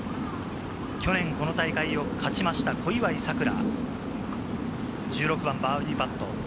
去年この大会を勝ちました、小祝さくら、１６番、バーディーパット。